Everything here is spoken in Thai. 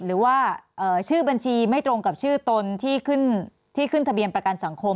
หรือว่าชื่อบัญชีไม่ตรงกับชื่อตนที่ขึ้นทะเบียนประกันสังคม